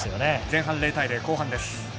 前半０対０、後半です。